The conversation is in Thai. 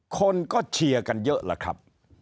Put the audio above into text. คนก็เชียร์กันเยอะแล้วครับ